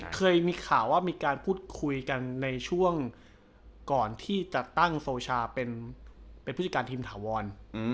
เคยมีข่าวว่ามีการพูดคุยกันในช่วงก่อนที่จะตั้งโซชาเป็นผู้จัดการทีมถาวร